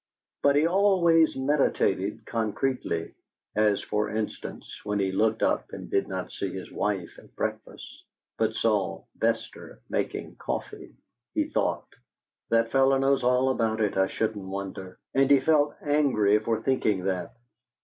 For he always meditated concretely, as, for instance, when he looked up and did not see his wife at breakfast, but saw Bester making coffee, he thought, 'That fellow knows all about it, I shouldn't wonder!' and he felt angry for thinking that.